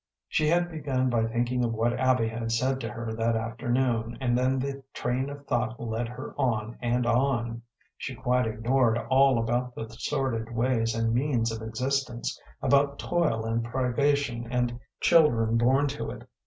She had begun by thinking of what Abby had said to her that afternoon, and then the train of thought led her on and on. She quite ignored all about the sordid ways and means of existence, about toil and privation and children born to it.